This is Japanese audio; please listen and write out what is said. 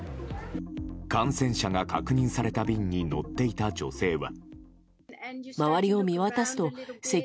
感染者が確認された便に乗っていた女性は。